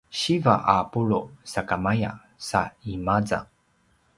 siva a pulu’ sakamaya sa i maza